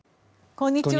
こんにちは。